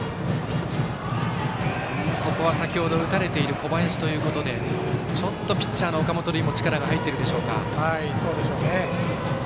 先ほど打たれている小林ということでちょっとピッチャーの岡本琉奨も力が入ってるでしょうか。